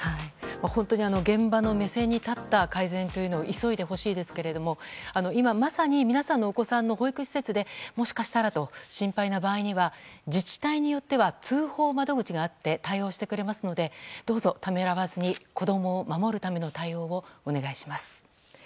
本当に現場の目線に立った改善を急いでほしいですが今、まさに皆さんのお子さんの保育施設でもしかしたらと心配な場合には自治体によっては通報窓口があって対応してくれますのでどうぞためらわずに子どもを守るための対応をお願いします。